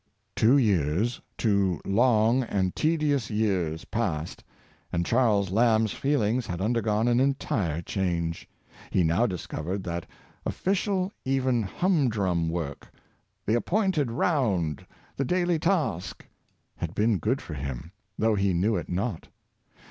Two years, two long and tedious years, passed, and Charles Lamb's feelings had undergone an entire change. He now discovered that official, even humdrum work —" the appointed round, the daily task" — had been good for him, though he knew it not.